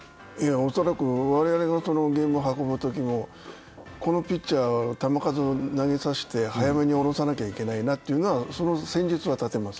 恐らく我々がゲームを運ぶときも、このピッチャー、球数を投げさせて早めに降ろさなきゃいけないなという戦術は立てます。